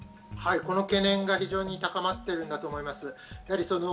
この懸念が非常に高まってるなと思います。